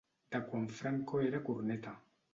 De quan Franco era corneta.